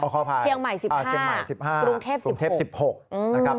เชียงใหม่๑๕ปรุงเทพฯ๑๖